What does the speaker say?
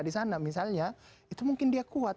disana misalnya itu mungkin dia kuat